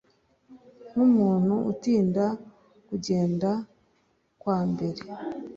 Nkumuntu utinda kugenda kwambere